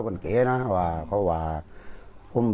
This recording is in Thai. วิทยาลัยศาสตรี